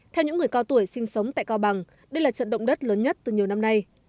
theo những người cao tuổi sinh sống tại cao bằng đây là trận động đất lớn nhất từ nhiều năm nay